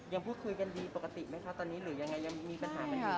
ยังพูดคุยกันดีปกติไหมคะตอนนี้หรือยังไงยังมีปัญหาเหมือนเดิม